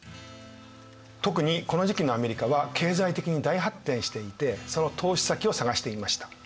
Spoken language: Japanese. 特にこの時期のアメリカは経済的に大発展していてその投資先を探していました。